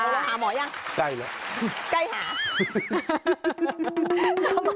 เราหาหมอหรือยัง